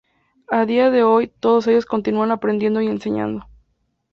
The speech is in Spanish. A día de hoy todos ellos continúan aprendiendo y enseñando.